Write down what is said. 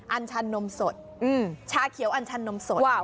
ัญชันนมสดชาเขียวอันชันนมสด